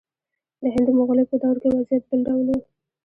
د هند د مغولو په دور کې وضعیت بل ډول و.